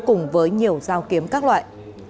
cùng với nhiều dao kiếm các loại